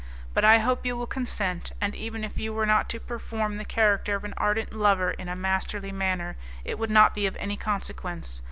But I hope you will consent, and even if you were not to perform the character of an ardent lover in a masterly manner, it would not be of any consequence.